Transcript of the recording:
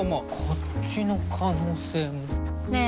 こっちの可能性もねえ